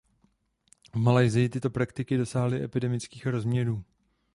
V Malajsii tyto praktiky dosáhly epidemických rozměrů.